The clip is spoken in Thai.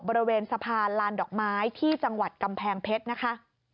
บริเวณสะพานลานดอกไม้ที่จังหวัดกำแพงเพชรนะคะ